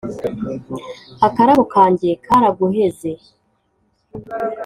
Akarabo kanjye karaguheze